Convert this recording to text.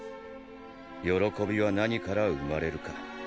喜びは何から生まれるか？